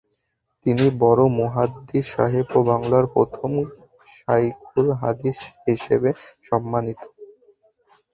তিনি বড় মুহাদ্দিস সাহেব ও বাংলার প্রথম শায়খুল হাদিস হিসেবে সম্মানিত।